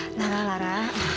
nggak nggak lara